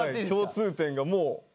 共通点がもう。